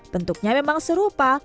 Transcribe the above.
bentuknya memang serupa